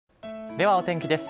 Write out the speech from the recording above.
ではお天気です。